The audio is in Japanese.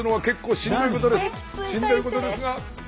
しんどいことですが。